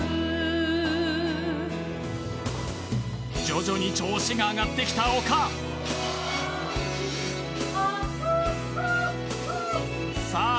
徐々に調子が上がってきた丘さあ